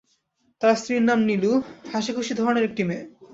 তাঁর স্ত্রীর নাম নীলু, হাসিখুশি ধরনের একটি মেয়ে।